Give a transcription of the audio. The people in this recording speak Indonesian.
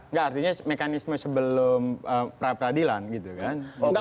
nggak artinya mekanisme sebelum pra peradilan gitu kan